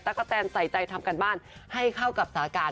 กะแตนใส่ใจทำการบ้านให้เข้ากับสาการ